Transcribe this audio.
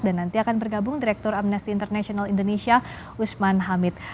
dan nanti akan bergabung direktur amnesty international indonesia usman hamid